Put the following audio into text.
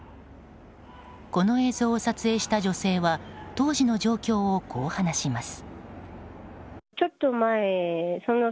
この映像を撮影した女性は当時の状況をこう話します。